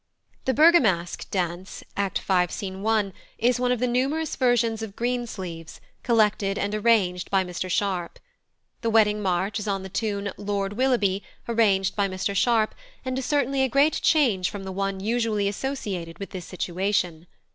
The Bergamask dance, Act v., Scene 1, is one of the numerous versions of "Green Sleeves," collected and arranged by Mr Sharp. The wedding march is on the tune "Lord Willoughby," arranged by Mr Sharp, and is certainly a great change from the one usually associated with this situation.